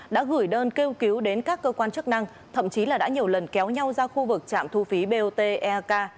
đã gửi đơn kêu cứu đến các cơ quan chức năng thậm chí là đã nhiều lần kéo nhau ra khu vực trạm thu phí bot eak